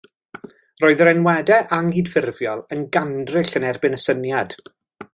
Roedd yr enwadau anghydffurfiol yn gandryll yn erbyn y syniad.